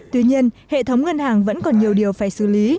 tuy nhiên hệ thống ngân hàng vẫn còn nhiều điều phải xử lý